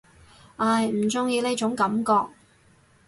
唉，唔中意呢種感覺